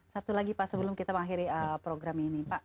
satu lagi pak sebelum kita mengakhiri program ini pak